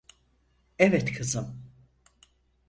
Evet, kızım.